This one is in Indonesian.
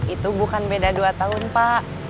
itu bukan beda dua tahun pak